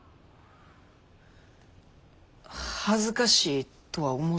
恥ずかしいとは思うてるよ。